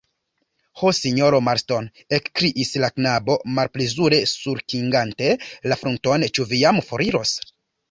Ho, sinjoro Marston, ekkriis la knabo, malplezure sulkigante la frunton, ĉu vi jam foriros?